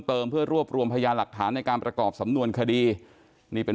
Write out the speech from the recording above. เพิ่มเติมเพื่อรวบรวมพยานหลักฐานในการประกอบสำนวนคดีนี่เป็น